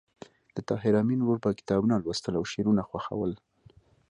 د طاهر آمین ورور به کتابونه لوستل او شعرونه خوښول